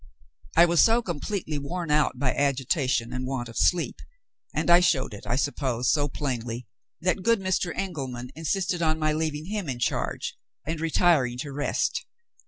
I was so completely worn out by agitation and want of sleep and I showed it, I suppose, so plainly that good Mr. Engelman insisted on my leaving him in charge, and retiring to rest.